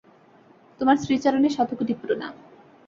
তোমার শ্রীচরণে শতকোটি প্রণাম।